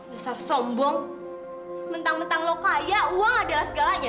besar sombong mentang mentang lo kaya uang adalah segalanya